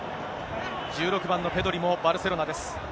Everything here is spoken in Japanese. １６番のペドリもバルセロナです。